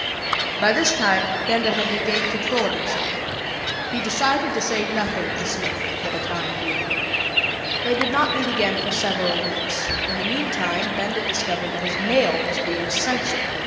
By this time Benda had regained control of himself. He decided to say nothing to Smith for the time being. They did not meet again for several weeks. In the meantime Benda discovered that his mail was being censored.